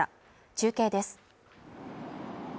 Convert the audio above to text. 中継です。